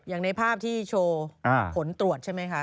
อย่างในภาพที่โชว์ผลตรวจใช่ไหมคะ